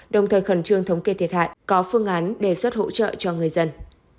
đồng thời khẩn trương thống kê thiệt hại có phương án đề xuất hỗ trợ cho người dân